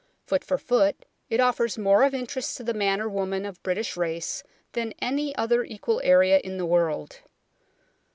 Foot for foot, it offers more of interest to the man or woman of British race than any other equal area in the world.